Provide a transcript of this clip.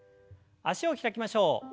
脚を開きましょう。